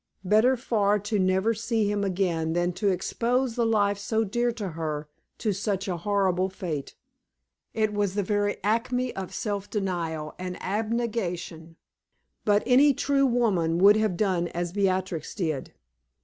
Better far to never see him again than to expose the life so dear to her to such a horrible fate! It was the very acme of self denial and abnegation; but any true woman would have done as Beatrix did.